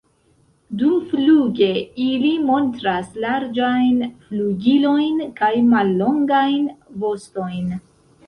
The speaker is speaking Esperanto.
Dumfluge ili montras larĝajn flugilojn kaj mallongajn vostojn.